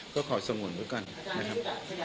ก็ขอสงวนด้วยกันนะครับ